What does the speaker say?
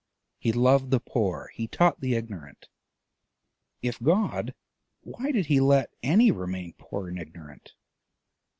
He loved the poor, he taught the ignorant: if God, why did he let any remain poor and ignorant?